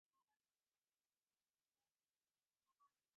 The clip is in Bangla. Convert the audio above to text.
কিন্তু সেটার গতিবিধি স্পেসশিপের মত না।